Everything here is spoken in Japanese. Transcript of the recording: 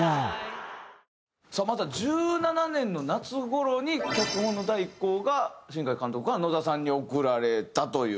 さあまずは１７年の夏頃に脚本の第１稿が新海監督から野田さんに送られたという。